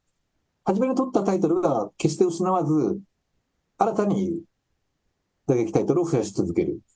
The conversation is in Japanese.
初めに取ったタイトルを決して失わず、新たに打撃タイトルを増やし続ける。